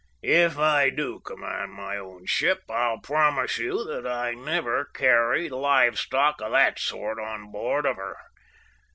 "If I do command my own ship I'll promise you that I never carry live stock of that sort on board of her.